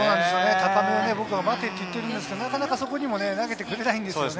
高めを待てと言っているんですけれど、なかなかそこにも投げてくれないですね。